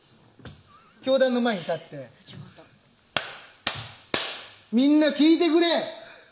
教壇の前に立って「みんな聞いてくれ！」